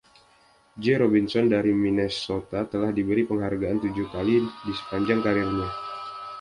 J Robinson dari Minnesota telah diberi penghargaan tujuh kali di sepanjang kariernya.